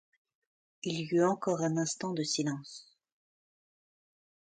Il y eut encore un instant de silence.